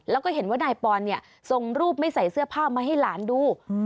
แล้วก็เห็นว่านายปอนเนี่ยส่งรูปไม่ใส่เสื้อผ้ามาให้หลานดู